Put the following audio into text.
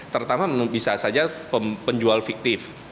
terutama bisa saja penjual fiktif